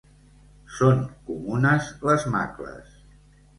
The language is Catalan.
Són comunes les macles.